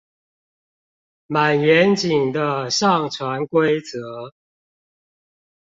滿嚴謹的上傳規則